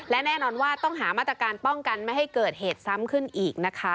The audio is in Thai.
และแน่นอนว่าต้องหามาตรการป้องกันไม่ให้เกิดเหตุซ้ำขึ้นอีกนะคะ